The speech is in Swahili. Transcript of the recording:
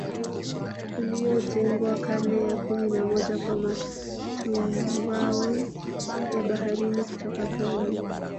Uliojengwa karne ya kumi na moja kwa matumbawe ya baharini kutoka pwani